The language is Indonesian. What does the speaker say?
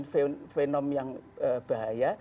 ini adalah fenom yang bahaya